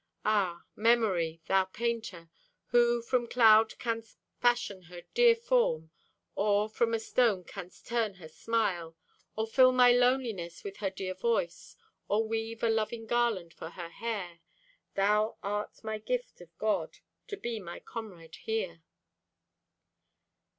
Ah, memory, thou painter, Who from cloud canst fashion her dear form, Or from a stone canst turn her smile, Or fill my loneliness with her dear voice, Or weave a loving garland for her hair— Thou art my gift of God, to be my comrade here.